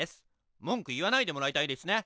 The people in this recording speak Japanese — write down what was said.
文句言わないでもらいたいですね。